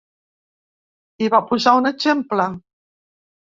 I va posar un exemple.